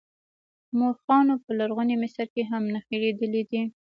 مورخانو په لرغوني مصر کې هم نښې لیدلې دي.